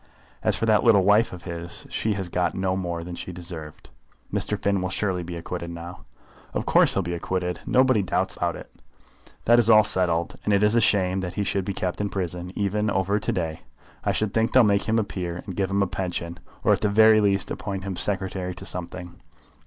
As for that little wife of his, she has got no more than she deserved." "Mr. Finn will surely be acquitted now." "Of course he'll be acquitted. Nobody doubts about it. That is all settled, and it is a shame that he should be kept in prison even over to day. I should think they'll make him a peer, and give him a pension, or at the very least appoint him secretary to something.